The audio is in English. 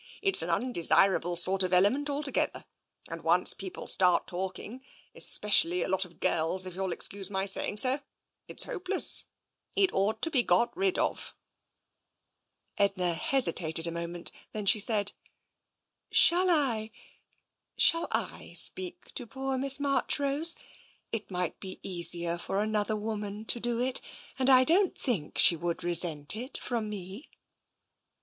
" It's an undesirable sort of element alto gether. And once people start talking — especially a lot of girls, if you'll excuse my saying so — it's hope less. It ought to be got rid of." Edna hesitated a moment. Then she said: " Shall I — shall I speak to poor Miss Marchrose ? It might be easier for another woman to do it, and I don't think she would resent it from me."